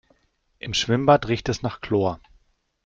Im Schwimmbad riecht es nach Chlor.